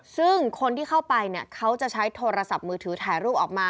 ซึ่งคนที่เข้าไปเนี่ยเขาจะใช้โทรศัพท์มือถือถ่ายรูปออกมา